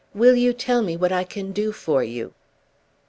Will you tell me what I can do for you?"